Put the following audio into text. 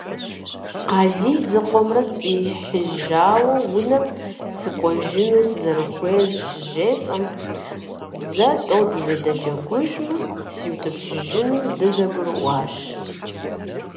Къазий зыкъомрэ сфӀихьыжауэ, унэм сыкӀуэжыну сызэрыхуейр щыжесӀэм, зэ–тӀэу дызэдэджэгужмэ, сиутӏыпщыжыну дызэгурыӏуащ.